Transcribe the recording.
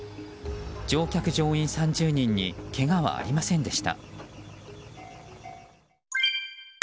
乗客・乗員３０人にけがはありませんでした。